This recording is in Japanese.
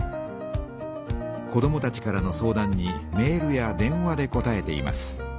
子どもたちからの相談にメールや電話でこたえています。